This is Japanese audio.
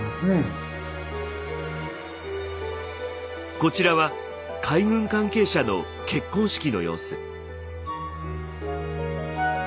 こちらは海軍関係者の結婚式の様子。